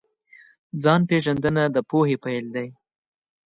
ځان پېژندنه د پوهې پیل دی.